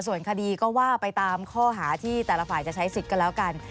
ส่วนคดีก็ว่าไปตามข้อหาที่แต่ละฝ่ายจะใช้สิทธิ์กันแล้วกัน